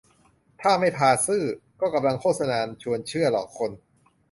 ถ้าไม่พาซื่อ ก็กำลังโฆษณาชวนเชื่อหลอกคน